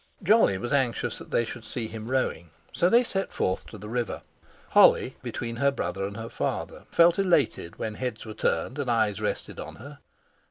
Jolly was anxious that they should see him rowing, so they set forth to the river. Holly, between her brother and her father, felt elated when heads were turned and eyes rested on her.